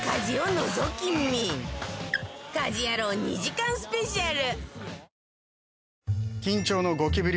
『家事ヤロウ！！！』２時間スペシャル